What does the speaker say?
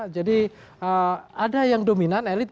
jadi ada yang dominan elit